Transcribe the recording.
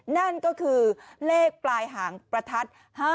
นั่นก็คือเลขปลายหางประทัด๕๗